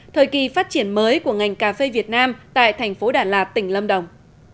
thời kỳ phát triển mới của ngành cà phê việt nam tại thành phố đà lạt tỉnh lâm đồng